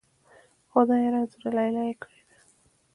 خدایه! رنځوره لیلا یې کړې ده.